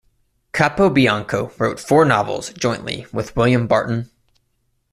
Capobianco wrote four novels jointly with William Barton.